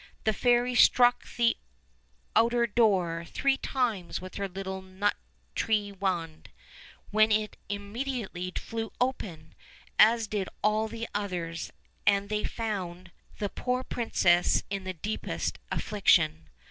The fairy struck the outer door three times with her little nut tree wand, when it im mediately flew open, as did all the others, and they found the poor princess in the deepest affliction.